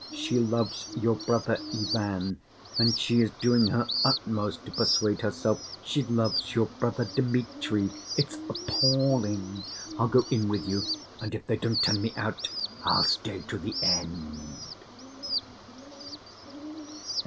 She loves your brother, Ivan, and she is doing her utmost to persuade herself she loves your brother, Dmitri. It's appalling! I'll go in with you, and if they don't turn me out, I'll stay to the end."